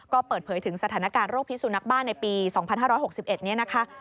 ก็เปิดเผยถึงสถานการณ์โรคพิสุนักบ้านในปี๒๕๖๑นี้นะคะ